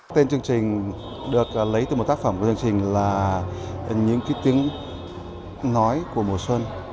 tên chương trình được lấy từ một tác phẩm của chương trình là những cái tiếng nói của mùa xuân